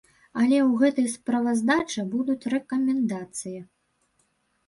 Але ў гэтай справаздачы будуць рэкамендацыі.